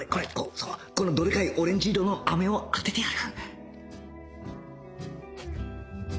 このどでかいオレンジ色の飴を当ててやる！